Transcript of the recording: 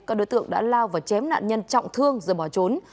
các đối tượng đã lao và chém nạn nhân trọng thương rồi bỏ trốn